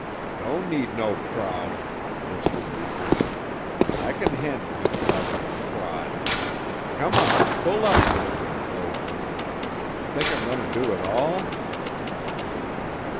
"Don't need no prod," boasted Reivers. "I can handle him without any prod. Come on, pull up there, you loafer. Think I'm going to do it all?"